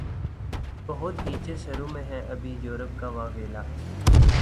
بہت نیچے سروں میں ہے ابھی یورپ کا واویلا